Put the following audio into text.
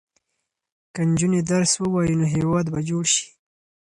که نجونې درس ووايي، هېواد به جوړ شي.